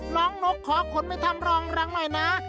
นกขอขนไปทำรองรังหน่อยนะ